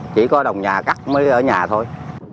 chỉ có đồng nhà cắt mới ở nhà thôi